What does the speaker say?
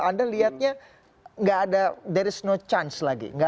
anda lihatnya tidak ada there is no chance lagi